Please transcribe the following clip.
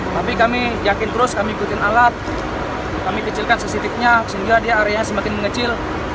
tapi kami yakin terus kami ikutin alat kami kecilkan sensitifnya sehingga dia areanya semakin mengecil